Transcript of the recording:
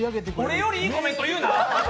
俺よりいいコメント言うな！